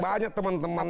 banyak teman teman itu